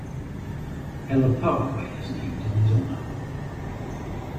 Heller Parkway is named in his honor.